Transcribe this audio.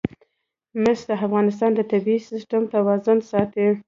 مس د افغانستان د طبعي سیسټم توازن ساتي.